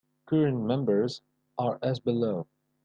Current members are as below.